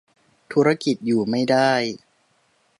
ธุรกิจอยู่ไม่ได้